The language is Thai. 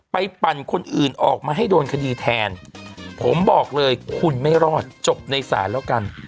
ปั่นคนอื่นออกมาให้โดนคดีแทนผมบอกเลยคุณไม่รอดจบในศาลแล้วกัน